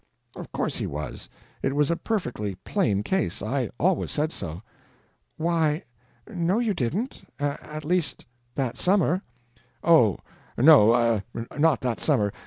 "Of course he was. It was a perfectly plain case. I always said so." "Why, no you didn't! at least that summer." "Oh, no, not that summer.